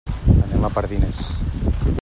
Anem a Pardines.